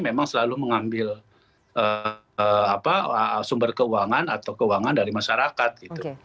memang selalu mengambil sumber keuangan atau keuangan dari masyarakat gitu